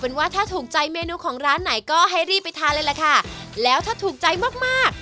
เวลานี้รีบไปทานเลยล่ะค่ะแล้วถ้าถูกใจมาก